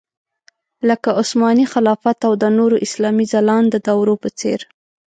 لکه عثماني خلافت او د نورو اسلامي ځلانده دورو په څېر.